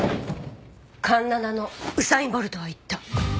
環七のウサイン・ボルトは言った。